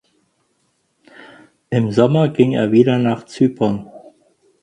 Im Sommer ging er wieder nach Zypern.